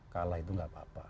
kalah itu nggak apa apa